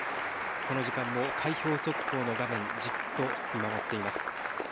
この時間も開票速報の画面、じっと見守っています。